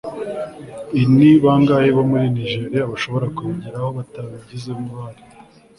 ini bangahe bo muri nigeriya bashobora kubigeraho batabigizemo uruhare